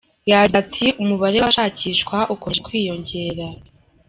Yagize ati “Umubare w’abashakishwa ukomeje kwiyongera.